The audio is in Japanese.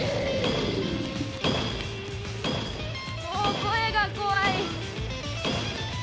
声が怖い。